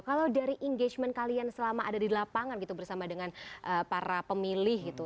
kalau dari engagement kalian selama ada di lapangan gitu bersama dengan para pemilih gitu